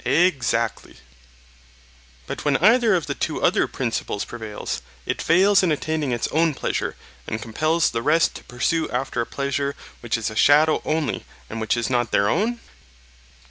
Exactly. But when either of the two other principles prevails, it fails in attaining its own pleasure, and compels the rest to pursue after a pleasure which is a shadow only and which is not their own?